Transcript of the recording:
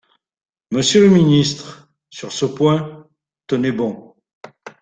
Monsieur le ministre, sur ce point, tenez bon